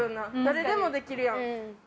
誰でもできるやん。